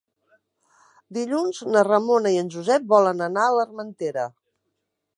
Dilluns na Ramona i en Josep volen anar a l'Armentera.